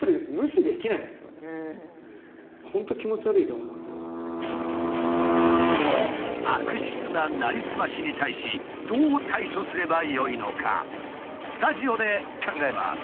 でも悪質ななりすましに対しどう対処すればよいのかスタジオで考えます。